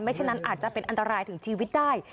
ฉะนั้นอาจจะเป็นอันตรายถึงชีวิตได้